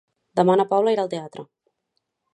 Demà na Paula irà al teatre.